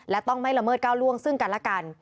และต้องไม่ละเมิดก้าวล่วงซึ่งกันและกัน